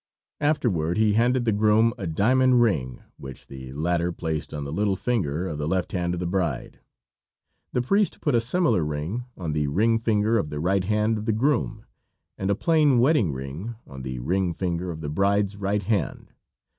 Afterward he handed the groom a diamond ring, which the latter placed on the little finger of the left hand of the bride. The priest put a similar ring on the ring finger of the right hand of the groom, and a plain wedding ring on the ring finger of the bride's right hand.